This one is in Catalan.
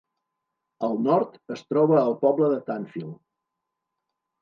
Al nord, es troba el poble de Tanfield.